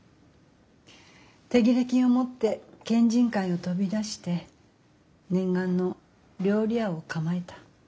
手切れ金を持って県人会を飛び出して念願の料理屋を構えた。